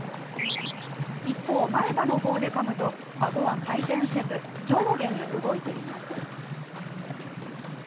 一方、前歯の方でかむとあごは回転せず上下に動いています。